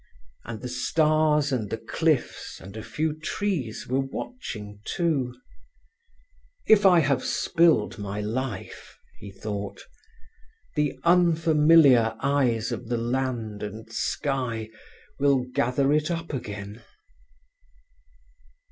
And the stars and the cliffs and a few trees were watching, too. "If I have spilled my life," he thought, "the unfamiliar eyes of the land and sky will gather it up again."